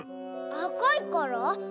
あかいから？